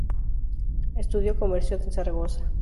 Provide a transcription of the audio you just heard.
Estudió Comercio en Zaragoza.